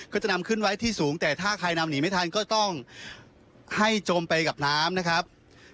ก็จะนำขึ้นไว้ที่สูงแต่ถ้าใครนำหนีไม่ทันก็ต้องให้จมไปกับน้ำนะครับ